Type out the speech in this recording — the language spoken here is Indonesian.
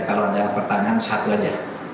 kalau ada pertanyaan satu aja